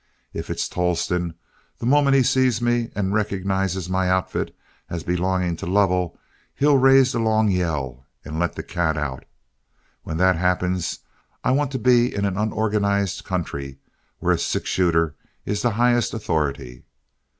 If it's Tolleston, the moment he sees me and recognizes my outfit as belonging to Lovell, he'll raise the long yell and let the cat out. When that happens, I want to be in an unorganized country where a six shooter is the highest authority."